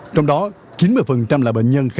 trong đó chín mươi là bệnh nhân